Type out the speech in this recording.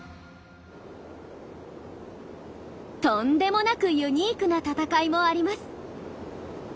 とんでもなくユニークな闘いもあります。